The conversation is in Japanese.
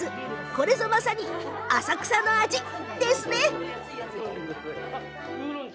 これぞ、まさに浅草の味ですね！